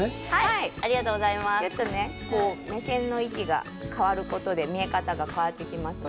目線の位置が変わることで見え方が変わってきますので。